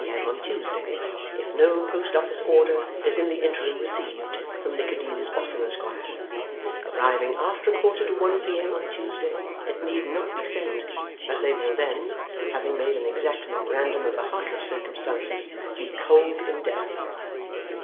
M. on Tuesday, if no Post office order is in the interim received from Nicodemus Boffin, Esquire; arriving after a quarter to one P.M. on Tuesday, it need not be sent, as they will then (having made an exact memorandum of the heartless circumstances) be 'cold in death.